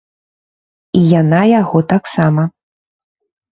І яна яго таксама.